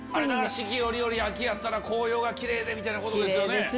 四季折々秋やったら紅葉がキレイでってことですよね。